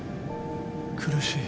苦しい！